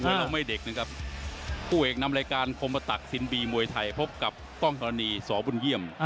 หมดยกที่หนึ่ง